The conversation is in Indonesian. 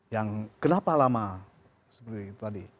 yang kenapa lama seperti itu tadi